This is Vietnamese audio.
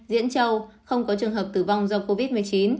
diễn châu không có trường hợp tử vong do covid một mươi chín